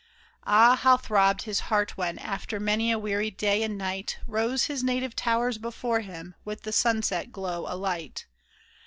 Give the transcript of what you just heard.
Ah ! how throbbed his heart when, after many a weary day and night. Rose his native towers before him, with the sunset glow alight